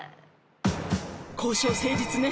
交渉成立ね。